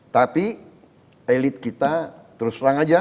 tapi elit kita terus terang aja